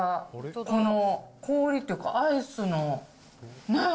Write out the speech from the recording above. この、氷っていうか、アイスの、ね。